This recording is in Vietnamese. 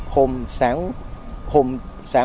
hôm sáng hôm sáng